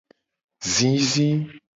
Zizi.